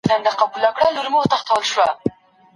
که په فایل کي وایرس وي نو متن نه خلاصېږي.